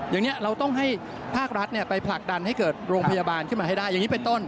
อย่างนี้เราต้องให้ภาครัฐไปผลักดันให้เกิดโรงพยาบาลขึ้นมาให้ได้อย่างนี้เป็นต้น